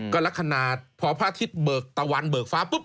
ก็ลักษณะพอพระอาทิตย์เบิกตะวันเบิกฟ้าปุ๊บ